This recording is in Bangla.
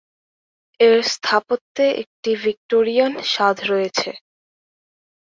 এর স্থাপত্যে একটি ভিক্টোরিয়ান স্বাদ রয়েছে।